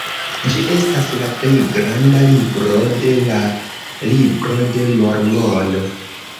Ĝi estas la plej granda libro de la Libro de Mormono.